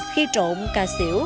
khi trộn cà xỉu